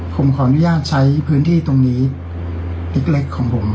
ผมขออนุญาตใช้พื้นที่ตรงนี้เล็กของผม